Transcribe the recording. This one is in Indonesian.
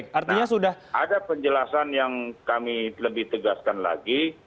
karena ada penjelasan yang kami lebih tegaskan lagi